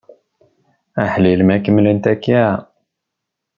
Aḥlil ma kemmlent akka!